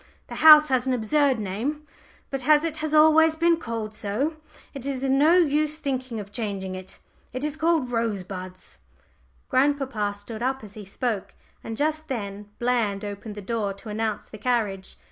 The house has an absurd name, but as it has always been called so, it is no use thinking of changing it. It is called 'Rosebuds.'" Grandpapa stood up as he spoke, and just then Bland opened the door to announce the carriage.